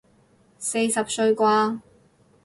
四十歲啩